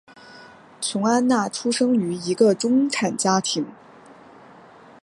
琼安娜出生于一个中产家庭。